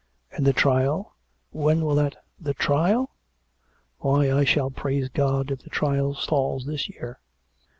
" And the trial? When will that "" The trial ! Why, I shall praise God if the trial falls this year.